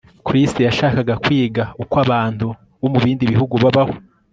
Chris yashakaga kwiga uko abantu bo mubindi bihugu babaho